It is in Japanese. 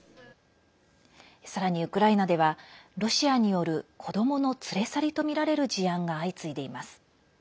さらにウクライナではロシアによる子どもの連れ去りとみられる事案が相次いでいます。